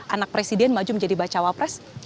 anak presiden maju menjadi bacawa pres